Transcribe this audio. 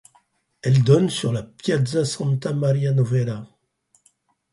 Elle donne sur la Piazza Santa Maria Novella.